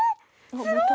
すごい！